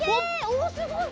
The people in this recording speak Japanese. おおすごい！